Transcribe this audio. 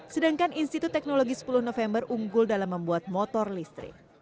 sedangkan institut teknologi sepuluh november unggul dalam membuat motor listrik